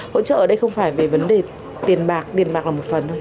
hỗ trợ ở đây không phải về vấn đề tiền bạc tiền bạc là một phần